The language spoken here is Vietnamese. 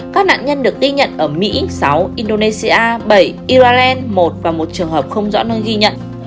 các nạn nhân được ghi nhận ở mỹ sáu indonesia bảy israel một và một trường hợp không rõ nơi ghi nhận